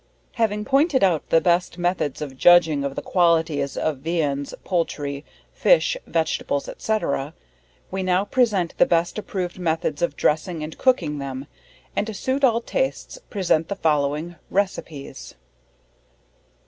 Having pointed out the best methods of judging of the qualities of Viands, Poultry, Fish, Vegetables, &c. We now present the best approved methods of DRESSING and COOKING them; and to suit all tastes, present the following _RECEIPTS.